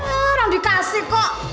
orang dikasih kok